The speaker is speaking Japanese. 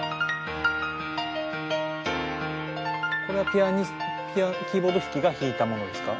これはピアニストキーボード弾きが弾いたものですか？